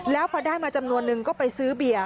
แล้วพอได้มาจำนวนนึงก็ไปซื้อเบียร์